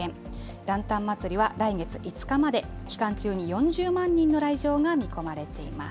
ランタン祭りは来月５日まで、期間中に４０万人の来場が見込まれています。